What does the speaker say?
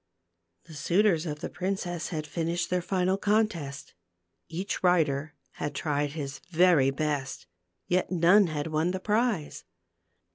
The suitors of the princess had finished their final contest ; each rider had tried his very best, yet none had won the prize.